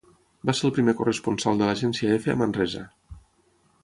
Va ser el primer corresponsal de l'agència Efe a Manresa.